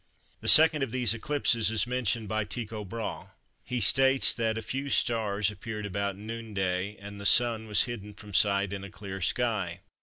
The second of these eclipses is mentioned by Tycho Brahe. He states that "a few stars appeared about noonday, and the Sun was hidden from sight in a clear sky."